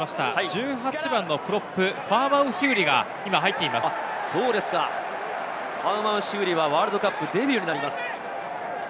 １８番のプロップ、ファアマウシウリが入っていファアマウシウリはワールドカップデビューとなります。